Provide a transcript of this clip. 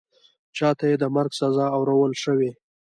چا ته چي د مرګ سزا اورول شوې